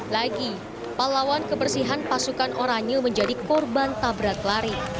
lagi pahlawan kebersihan pasukan oranye menjadi korban tabrak lari